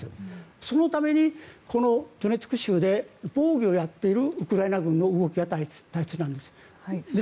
そのためにこのドネツク州で防御をやっているウクライナ軍の動きが大切なんです。